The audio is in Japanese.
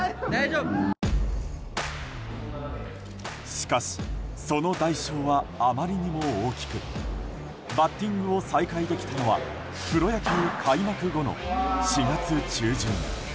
しかしその代償はあまりにも大きくバッティングを再開できたのはプロ野球開幕後の４月中旬。